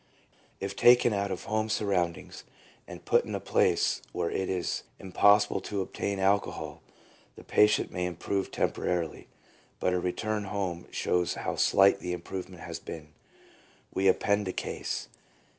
If taken out of home surroundings and put in a place where it is impossible to obtain alcohol, the patient may improve temporarily, but a return home shows how slight the improvement has been. We append a case.